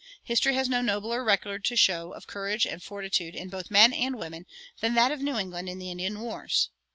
History has no nobler record to show, of courage and fortitude in both men and women, than that of New England in the Indian wars.